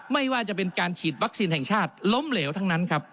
ไม่ว่าจะเป็นการฉีดวัคซีนแห่งชาติล้มเหลวทั้งนั้นครับ